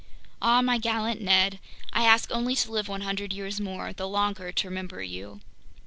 Ah, my gallant Ned! I ask only to live 100 years more, the longer to remember you!